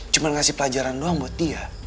cuma ngasih pelajaran doang buat dia